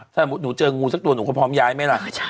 ถ้าหนูเจองูสักตัวหนูก็พร้อมย้ายไหมล่ะ